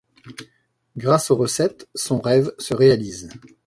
Grâce aux recettes, son rêve se réalise.